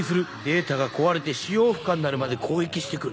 データが壊れて使用不可になるまで攻撃して来る。